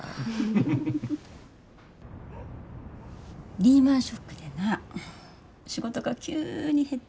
リーマンショックでな仕事が急に減って。